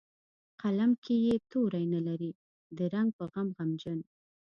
قلم کې یې توري نه لري د رنګ په غم غمجن